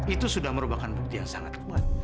itu sudah merupakan bukti yang sangat kuat